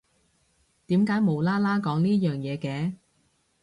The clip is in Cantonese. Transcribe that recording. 點解無啦啦講呢樣嘢嘅？